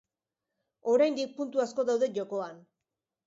Oraindik puntu asko daude jokoan.